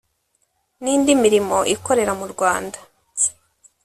nindi mirimo ikorera murwanda